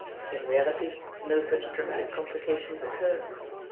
In reality, no such dramatic com plications occurred.